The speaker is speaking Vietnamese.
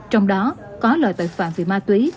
trong đó có loại tội phạm vì ma túy